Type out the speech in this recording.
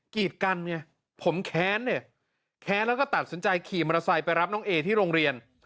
กีดกันไงผมแค้นเนี่ยแค้นแล้วก็ตัดสินใจขี่มอเตอร์ไซค์ไปรับน้องเอที่โรงเรียน